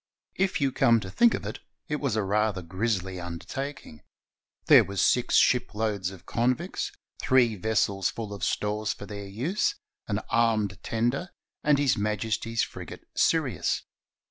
If you come to think of it, it was rather a grisly undertaking. There were six ship loads of convicts, three vessels full of stores for their use, an armed tender, and His Majesty's frigate Sirius.